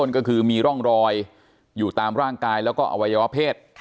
ก็คือมีร่องรอยอยู่ตามร่างกายแล้วก็อวัยวะเพศ